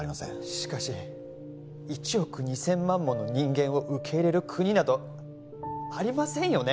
しかし１億２千万もの人間を受け入れる国などありませんよね